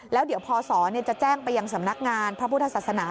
แล้วเดี๋ยวพศจะแจ้งไปยังสำนักงานพระพุทธศาสนา